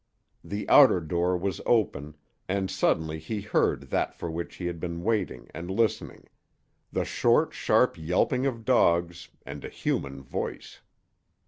The outer door was open, and suddenly he heard that for which he had been waiting and listening the short, sharp yelping of dogs, and a human voice.